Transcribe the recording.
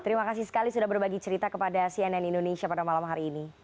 terima kasih sekali sudah berbagi cerita kepada cnn indonesia pada malam hari ini